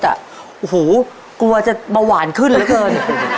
โอ้โหกลัวจะเบาหวานขึ้นเหลือเกิน